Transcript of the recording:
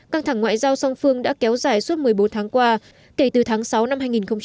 căng thẳng ngoại giao song phương đã kéo dài suốt một mươi bốn tháng qua kể từ tháng sáu năm hai nghìn một mươi tám